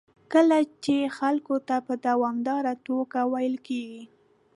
کله چې خلکو ته په دوامداره توګه ویل کېږي